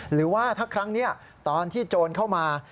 หรือว่าถ้าครั้งนี้ตอนที่โจรเข้ามา